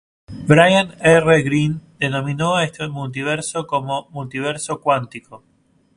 Brian R. Greene denominó a este multiverso como Multiverso cuántico.